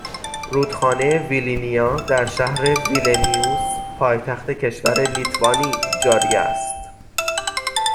رودخانه ویلینیا در شهر ویلنیوس پایتخت کشور لیتوانی جاری است